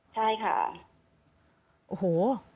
ใช่ค่ะ